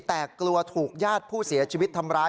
แต่กลัวถูกญาติผู้เสียชีวิตทำร้าย